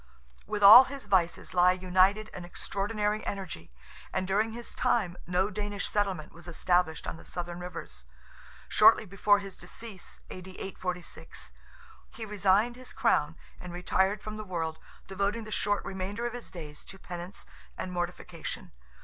With all his vices lie united an extraordinary energy, and during his time, no Danish settlement was established on the Southern rivers. Shortly before his decease (A.D. 846) he resigned his crown and retired from the world, devoting the short remainder of his days to penance and mortification.